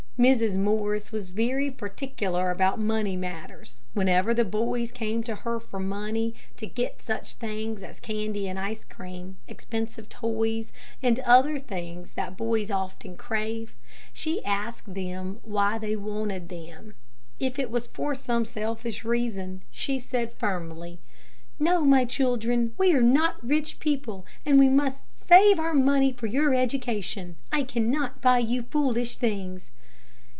Mrs. Morris was very particular about money matters. Whenever the boys came to her for money to get such things as candy and ice cream, expensive toys, and other things that boys often crave, she asked them why they wanted them. If it was for some selfish reason, she said, firmly: "No, my children; we are not rich people, and we must save our money for your education. I cannot buy you foolish things."